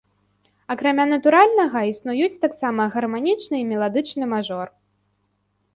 Акрамя натуральнага, існуюць таксама гарманічны і меладычны мажор.